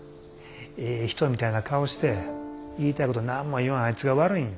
ええ人みたいな顔して言いたいこと何も言わんあいつが悪いんや。